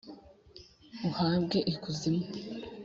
Uhambwe i kuzimu